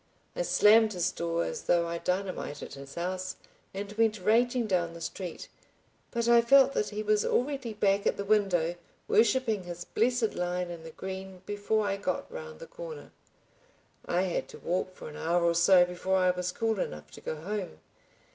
I slammed his door as though I dynamited his house, and went raging down the street, but I felt that he was already back at the window worshiping his blessed line in the green, before I got round the corner. I had to walk for an hour or so, before I was cool enough to go home.